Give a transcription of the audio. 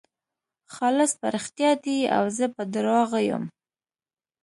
خالص په رښتیا دی او زه په درواغو یم.